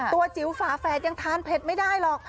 จิ๋วฝาแฝดยังทานเผ็ดไม่ได้หรอก